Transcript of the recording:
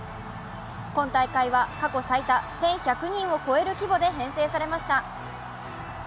今大会は過去最多１１００人を超える規模で編成されました。